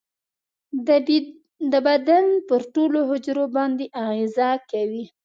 د بدن پر ټولو حجرو باندې اغیزه کوي.